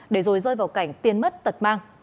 để rồi rơi vào cảnh tiên mất tật mang